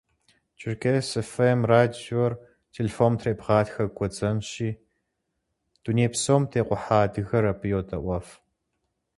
«Черкес ФМ» радиор телефоным требгъатхэ гуэдзэнщи, дуней псом текъухьа адыгэр абы йодэIуэф.